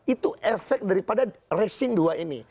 itu efek daripada racing dua ini